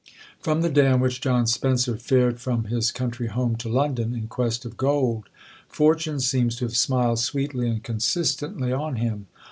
From the day on which John Spencer fared from his country home to London in quest of gold, Fortune seems to have smiled sweetly and consistently on him.